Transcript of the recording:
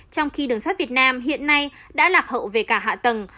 trong khi đường sắt việt nam hiện nay đã lạc hậu về cả hạ tầng